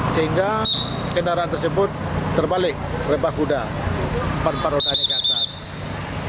sehingga kendaraan tersebut terbalik rebah kuda panpar roda ini ke atas